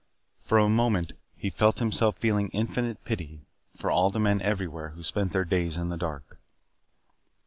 For a moment he felt himself feeling infinite pity for all the men everywhere who spent their days in the dark.